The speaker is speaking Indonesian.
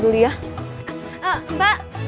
dulu ya mbak